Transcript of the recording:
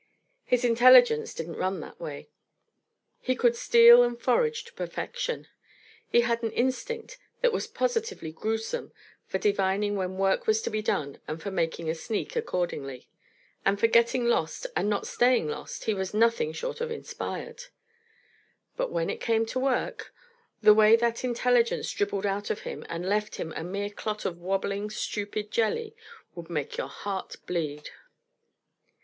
His intelligence didn't run that way. He could steal and forage to perfection; he had an instinct that was positively gruesome for divining when work was to be done and for making a sneak accordingly; and for getting lost and not staying lost he was nothing short of inspired. But when it came to work, the way that intelligence dribbled out of him and left him a mere clot of wobbling, stupid jelly would make your heart bleed.